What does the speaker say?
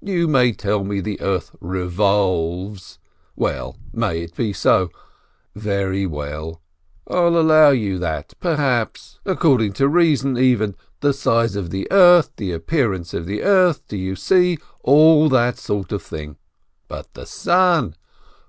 You may tell me the earth revolves — well, be it so ! Very well, I'll allow you, that, perhaps, according to reason — even — the size of the earth — the appearance of the earth — do you see? — all that sort of thing. But the sun